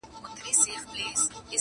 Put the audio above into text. حقيقت د وخت قرباني کيږي تل,